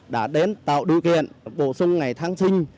đã đến tạo điều kiện bổ sung ngày tháng sinh